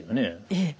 ええ。